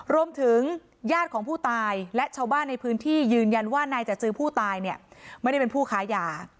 ญาติของผู้ตายและชาวบ้านในพื้นที่ยืนยันว่านายจัดจือผู้ตายเนี่ยไม่ได้เป็นผู้ค้ายา